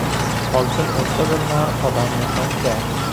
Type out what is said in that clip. Oltin o'tda bilinar, odam — mehnatda.